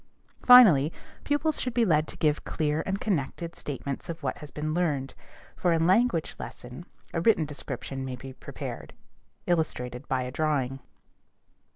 Finally, pupils should be led to give clear and connected statements of what has been learned. For a language lesson, a written description may be prepared, illustrated by a drawing.